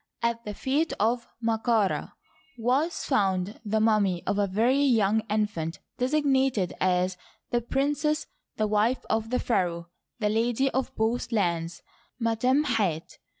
At the feet of Md ka Rd was found the mummy of a veiy young infant designated as " the princess, the wife of the pharaoh, the lady of Both Lands, Mui em hat.